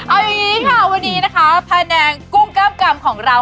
เอาอย่างนี้ค่ะวันนี้นะคะพาแนงกุ้งกล้ามกำของเรา